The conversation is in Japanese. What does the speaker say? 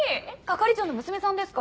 係長の娘さんですか？